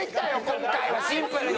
今回はシンプルに！